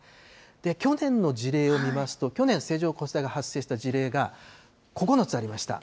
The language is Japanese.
去年の事例を見ますと、去年、線状降水帯が発生した事例が、９つありました。